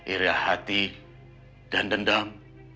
iriah hati dan dendam